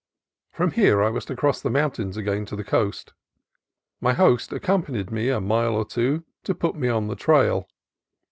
From here I was to cross the mountains again to the coast. My host accompanied me a mile or two to put me on the trail.